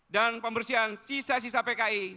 dan pembersihan sisa sisa pki